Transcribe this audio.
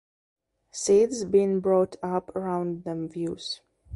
Sid’s been brought up around them views.